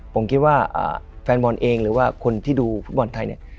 ผมคิดว่าแฟนบอลเองหรือว่าคนที่ดูฟุตบอลไทยเนี่ย